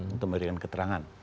untuk memberikan keterangan